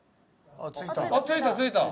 あっついた。